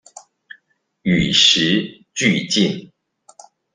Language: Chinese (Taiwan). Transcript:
與時俱進